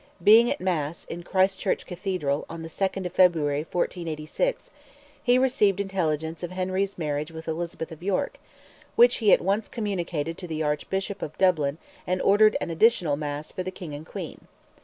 Being at Mass, in Christ's Church Cathedral, on the 2nd of February, 1486, he received intelligence of Henry's marriage with Elizabeth of York, which he at once communicated to the Archbishop of Dublin, and ordered an additional Mass for the King and Queen.